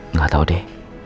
nggak tau deh